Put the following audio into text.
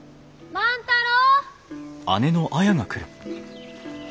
万太郎！